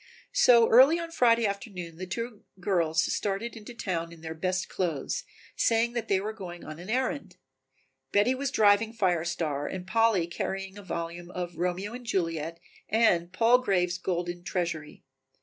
So early on Friday afternoon the two girls started into town in their best clothes, saying that they were going in on an errand. Betty was driving Fire Star and Polly carrying a volume of "Romeo and Juliet" and "Palgrave's Golden Treasury."